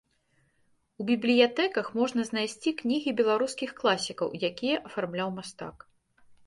У бібліятэках можна знайсці кнігі беларускіх класікаў, якія афармляў мастак.